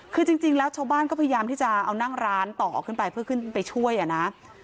คือจริงแล้วชาวบ้านก็พยายามที่จะเอานั่งร้านต่อขึ้นไปเพื่อขึ้นไปช่วยอ่ะนะ